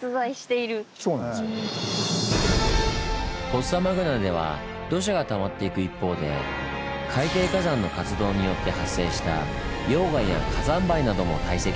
フォッサマグナでは土砂がたまっていく一方で海底火山の活動によって発生した溶岩や火山灰なども堆積しました。